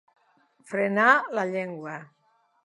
Frenar la llengua.